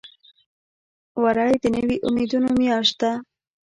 وری د نوي امیدونو میاشت ده.